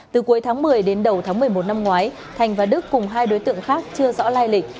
từ cuối tháng một mươi đến đầu tháng một mươi một năm ngoái thành và đức cùng hai đối tượng khác chưa rõ lai lịch